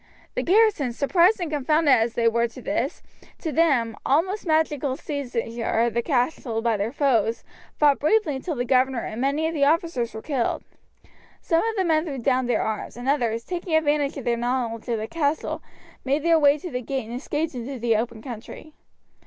The garrison, surprised and confounded as they were at this, to them, almost magical seizure of the castle by their foes, fought bravely until the governor and many of the officers were killed. Some of the men threw down their arms, and others, taking advantage of their knowledge of the castle, made their way to the gate and escaped into the open country.